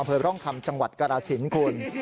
อำเภอร่องคำจังหวัดกรสินคุณ